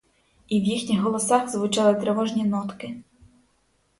І в їхніх голосах звучали тривожні нотки.